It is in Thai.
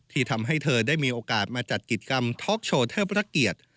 ที่ทำให้เธอได้มีโอกาสมาจัดกิจกรรมท็อกโชว์เทิดพระเกียรติ